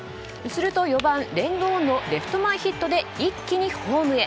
すると４番、レンドーンのレフト前ヒットで一気にホームへ。